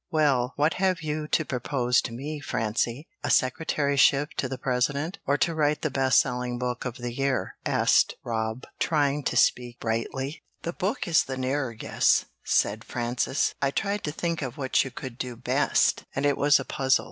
"Well, what have you to propose to me, Francie, a secretaryship to the President, or to write the best selling book of the year?" asked Rob, trying to speak brightly. "The book is the nearer guess," said Frances. "I tried to think of what you could do best, and it was a puzzle.